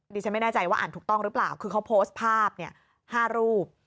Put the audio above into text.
ดิฉันไม่แน่ใจว่าอ่านถูกต้องหรือเปล่าคือเขาโพสต์ภาพ๕รูป